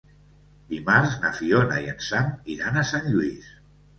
Dimarts na Fiona i en Sam iran a Sant Lluís.